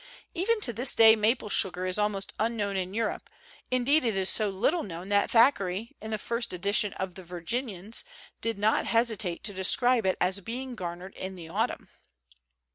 Even to this day maple sugar is almost unknown in Europe; indeed it is so little known that Thackeray in the first edi tion of the 'Virginians/ did not hesitate to de scribe it as being garnered in the autumn!